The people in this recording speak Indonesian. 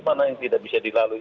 mana yang tidak bisa dilalui